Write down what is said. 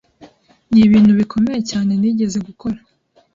Nibintu bikomeye cyane nigeze gukora.